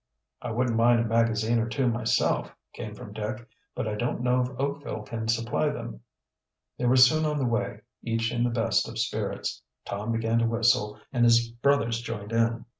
"I wouldn't mind a magazine or two myself," came from Dick. "But I don't know if Oakville can supply them." They were soon on the way, each in the best of spirits. Tom began to whistle and his brothers joined in.